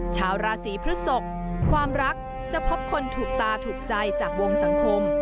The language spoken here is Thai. ชาวราศีพฤศกความรักจะพบคนถูกตาถูกใจจากวงสังคม